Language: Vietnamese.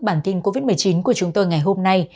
bản tin covid một mươi chín của chúng tôi ngày hôm nay